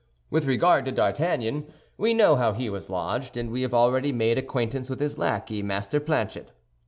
With regard to D'Artagnan, we know how he was lodged, and we have already made acquaintance with his lackey, Master Planchet.